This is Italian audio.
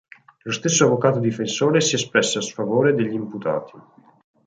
Lo stesso avvocato difensore si espresse a sfavore degli imputati.